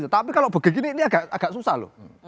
tapi kalau begini ini agak susah loh